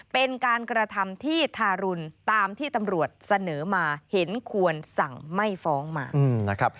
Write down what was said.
เป็นการกระทำที่ทารุณตามที่ตำรวจเสนอมาเห็นควรสั่งไม่ฟ้องมานะครับ